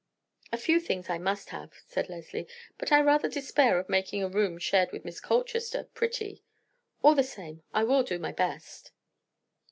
"A few things I must have," said Leslie, "but I rather despair of making a room shared with Miss Colchester pretty; all the same, I will do my best."